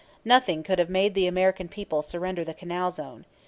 Nothing could have made the American people surrender the canal zone.